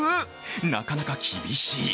なかなか厳しい。